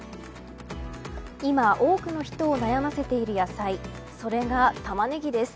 今多くの人を悩ませている野菜それがタマネギです。